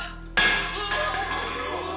・うわ。